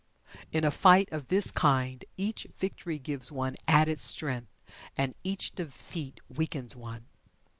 In a fight of this kind each victory gives one added strength, and each defeat weakens one.